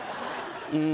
うん